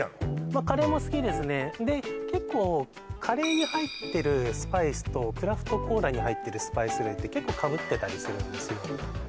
まっカレーも好きですねで結構カレーに入ってるスパイスとクラフトコーラに入ってるスパイス類って結構かぶってたりするんですよ